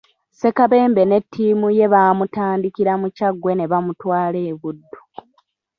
Ssekabembe ne ttiimu ye baamutandikira mu Kyaggwe ne bamutwala e Buddu.